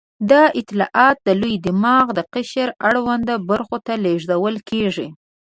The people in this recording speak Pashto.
دا اطلاعات د لوی دماغ د قشر اړوندو برخو ته لېږدول کېږي.